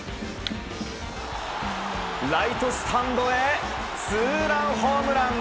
ライトスタンドへツーランホームラン！